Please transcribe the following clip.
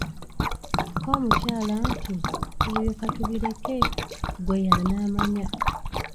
Kko omukyala nti, Ebyo katubireke ggwe y’anaamanya.